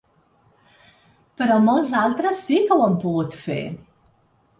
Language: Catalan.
Però molts altres sí que ho han pogut fer.